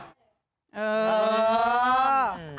เออ